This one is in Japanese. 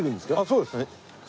そうですね。